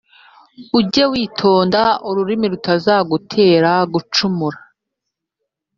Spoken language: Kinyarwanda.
Ujye witonda ururimi rutazagutera gucumura,